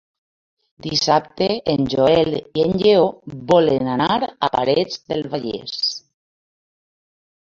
Dissabte en Joel i en Lleó volen anar a Parets del Vallès.